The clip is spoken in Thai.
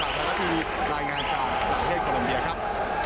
สวัสดีครับรับทรัพย์ทีวีรายงานจากสาเหศกลมเบียครับ